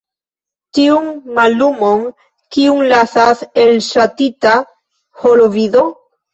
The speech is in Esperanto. Tiun mallumon, kiun lasas elŝaltita holovido?